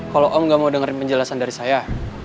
kalau om gak mau dengerin penjelasan dari saya